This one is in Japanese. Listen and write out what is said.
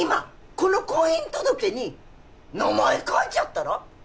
この婚姻届に名前書いちゃったら？